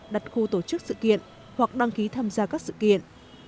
đặt khu tổ chức sự kiện hoặc đăng ký tham gia các sự kiện